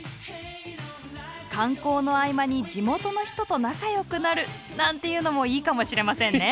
観光の合間に地元の人と仲よくなるなんていうのもいいかもしれませんね。